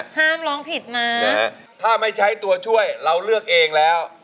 ร้องผิดนะถ้าไม่ใช้ตัวช่วยเราเลือกเองแล้ว